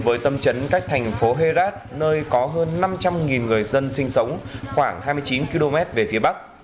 với tâm trấn cách thành phố herat nơi có hơn năm trăm linh người dân sinh sống khoảng hai mươi chín km về phía bắc